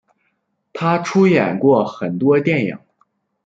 她出演过很多电影。